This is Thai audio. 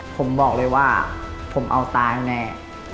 ผมบอกเลยว่าผมเอาตาแน่